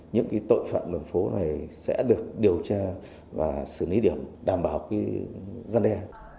những tội phạm đường phố này sẽ được điều tra và xử lý điểm đảm bảo gian đe